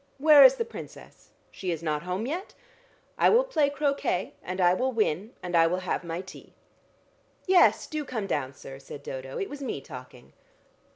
Where is the Princess? She is not home yet? I will play croquet, and I will win and I will have my tea." "Yes, do come down, sir," said Dodo. "It was me talking."